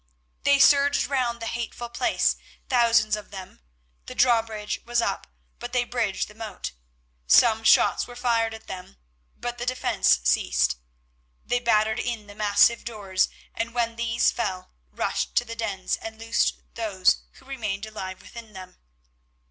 They surged round the hateful place, thousands of them. The drawbridge was up, but they bridged the moat. Some shots were fired at them, then the defence ceased. They battered in the massive doors, and, when these fell, rushed to the dens and loosed those who remained alive within them.